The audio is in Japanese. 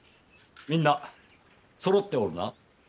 みんなそろっておるな？